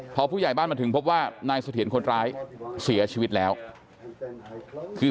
พอผู้ใหญ่บ้านมาถึงพบว่านายเสถียรคนร้ายเสียชีวิตแล้วคือ